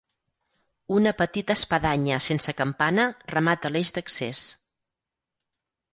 Una petita espadanya sense campana remata l'eix d'accés.